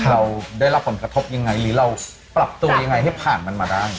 เราได้รับผลกระทบยังไงหรือเราปรับตัวยังไงให้ผ่านมันมาได้